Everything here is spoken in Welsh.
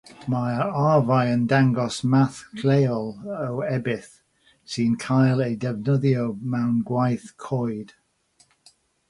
Mae'r arfau'n dangos math lleol o ebill sy'n cael ei ddefnyddio mewn gwaith coed.